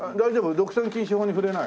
独占禁止法に触れない？